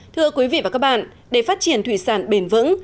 thưa quý vị và các bạn để phát triển thủy sản bền vững